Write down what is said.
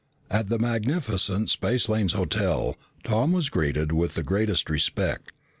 At the magnificent Spacelanes Hotel, Tom was greeted with the greatest respect.